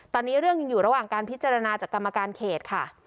ตอนนี้เรื่องยังอยู่ระหว่างการพิจารณาจากกรรมการเขตค่ะ